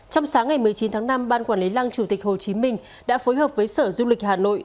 trong sáng ngày một mươi chín tháng năm ban quản lý lăng chủ tịch hồ chí minh đã phối hợp với sở du lịch hà nội